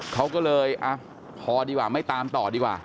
เขาก็เลยพอดีกว่าไม่ตามต่อดีกว่า